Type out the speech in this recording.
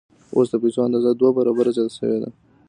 اوس د پیسو اندازه دوه برابره زیاته شوې ده